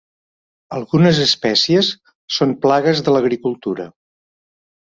Algunes espècies són plagues de l'agricultura.